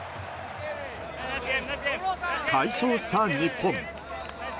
快勝した日本。